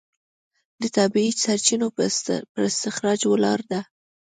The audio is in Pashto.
د طبیعي سرچینو پر استخراج ولاړه ده.